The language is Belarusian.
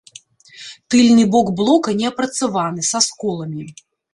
Тыльны бок блока неапрацаваны, са сколамі.